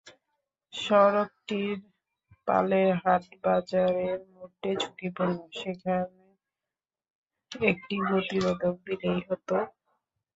সড়কটির পালের হাট বাজারের মোড়টি ঝুঁকিপূর্ণ, সেখানে একটি গতিরোধক দিলেই হতো।